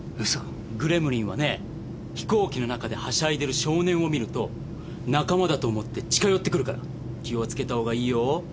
グレムリンはね飛行機の中ではしゃいでる少年を見ると仲間だと思って近寄って来るから気を付けたほうがいいよ。